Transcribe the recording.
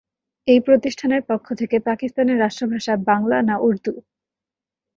এই প্রতিষ্ঠানের পক্ষ থেকে 'পাকিস্তানের রাষ্ট্রভাষা: বাংলা না উর্দু?'